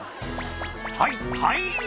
「はいはい！」